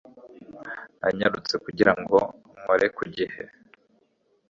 Nanyarutse kugira ngo nkore ku gihe.